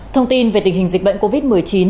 thông tin về tình hình dịch bệnh covid một mươi chín